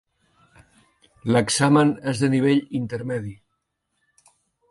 L'exàmen és de nivell intermedi.